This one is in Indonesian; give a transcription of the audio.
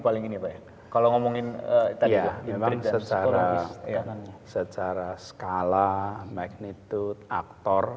paling ini baik kalau ngomongin tadi ya memang secara secara skala magnitude up